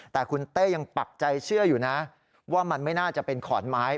แต่คุณเต้ยังปักใจเชื่ออยู่นะว่ามันไม่น่าจะเป็นขอนไม้